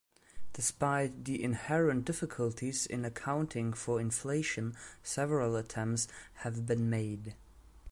Despite the inherent difficulties in accounting for inflation, several attempts have been made.